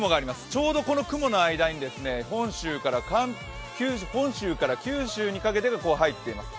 ちょうどこの雲の間に本州から九州にかけて入っています。